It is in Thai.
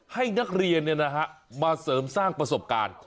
ให้นักเรียนมาเสริมสร้างประสบการณ์